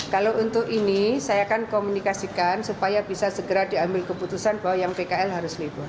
kalau untuk ini saya akan komunikasikan supaya bisa segera diambil keputusan bahwa yang pkl harus libur